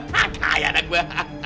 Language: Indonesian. hah kaya anak gua